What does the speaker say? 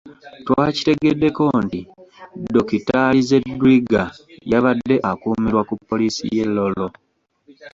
Twakitegeddeko nti Dokitaali Zedriga yabadde akuumirwa ku poliisi ye Lolo .